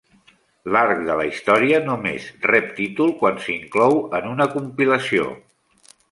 L'arc de la història només rep títol quan s'inclou en una compilació.